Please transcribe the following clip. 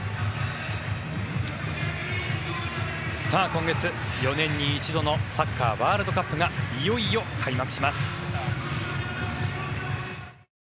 今月、４年に一度のサッカーワールドカップがいよいよ開幕します。